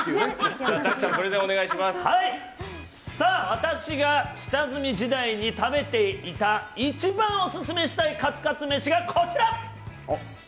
私が下積み時代に食べていた一番オススメしたいカツカツ飯がこちら。